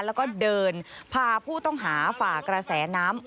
แล้วก็เดินพาผู้ต้องหาฝ่ากระแสน้ำ